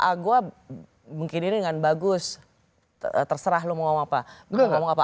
ah gua mungkin ini dengan bagus terserah lu mau ngomong apa